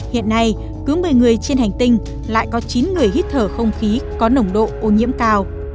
hiện nay cứ một mươi người trên hành tinh lại có chín người hít thở không khí có nồng độ ô nhiễm cao